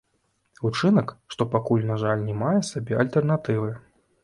Учынак, што пакуль, на жаль, не мае сабе альтэрнатывы.